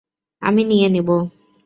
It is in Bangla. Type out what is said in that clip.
আমি নিয়ে নেব।